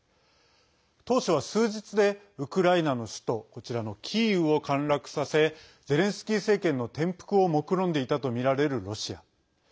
当初は数日でウクライナの首都こちらのキーウを陥落させゼレンスキー政権の転覆をもくろんでいたとみられるロシア。